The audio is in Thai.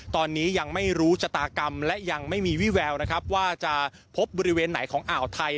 ตอนนี้ยังไม่รู้ชะตากรรมและยังไม่มีวิแววนะครับว่าจะพบบริเวณไหนของอ่าวไทย